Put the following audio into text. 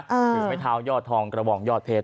อยู่ในเมืองเท้ายอดทองกระบ่องยอดเพชร